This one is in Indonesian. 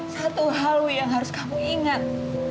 satu hal yang harus kamu ingat